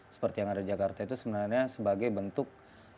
seperti yang ada di jakarta itu sebenarnya sebagai bentuk